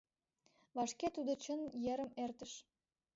Вашке тудо чын ерым эртыш.